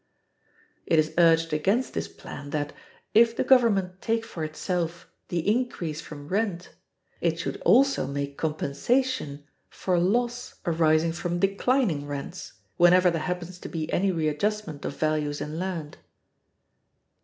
It is urged against this plan that, if the Government take for itself the increase from rent, it should also make compensation for loss arising from declining rents, whenever there happens to be any readjustment of values in land.